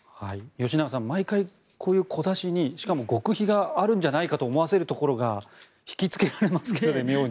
吉永さん、毎回こういう小出しにしかも極秘があるんじゃないかと思わせるところが引きつけられますけどね、妙に。